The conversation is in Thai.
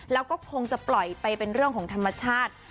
แล้วก็คงจะปล่อยไปเป็นเรื่องของธรรมชาติ